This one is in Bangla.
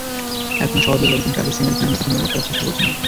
এখন সওজের লোকজন ট্রাকের সিমেন্ট নামিয়ে সেতু মেরামত করার চেষ্টা করছেন।